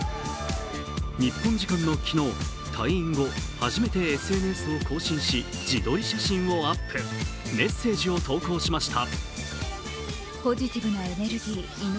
日本時間の昨日、退院後、初めてＳＮＳを更新し、自撮り写真をアップ、メッセージを投稿しました。